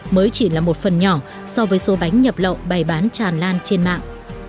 mới chỉ là một phần nhỏ so với số bánh nhập lậu bày bán tràn lan trên mạng